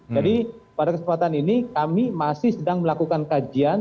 jadi pada kesempatan ini kami masih sedang melakukan kajian